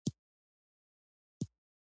د اسانتيا له لارې دوه اړخیزه سوداګري